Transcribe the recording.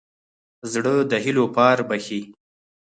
زړه د هيلو پار بښي.